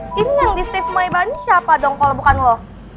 eh terus ini yang di save my bunny siapa dong kalau bukan lo